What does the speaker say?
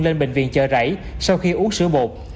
lên bệnh viện chợ rảy sau khi uống sữa bột